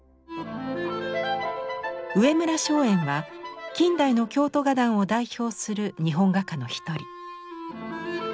上村松園は近代の京都画壇を代表する日本画家の一人。